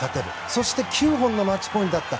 そして９本のマッチポイントだった。